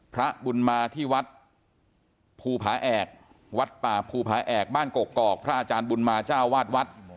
พระบุญมาที่วัดภูผาแอกวัดป่าภูผาแอกบ้านกกอกพระอาจารย์บุญมาเจ้าวาดวัด